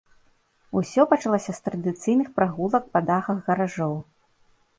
Усё пачалося з традыцыйных прагулак па дахах гаражоў.